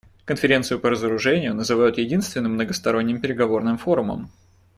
Конференцию по разоружению называют единственным многосторонним переговорным форумом.